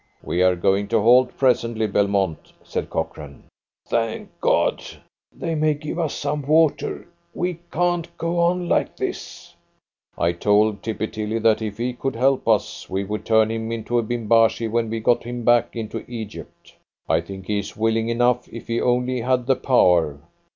"We are going to halt presently, Belmont," said Cochrane. "Thank God! They may give us some water. We can't go on like this." "I told Tippy Tilly that, if he could help us, we would turn him into a Bimbashi when we got him back into Egypt. I think he's willing enough if he only had the power.